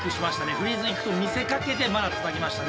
フリーズ行くと見せかけてまだつなぎましたね。